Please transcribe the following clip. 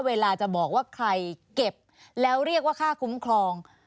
เวลาจะบอกว่าใครเก็บแล้วเรียกว่าค่าคุ้มครอง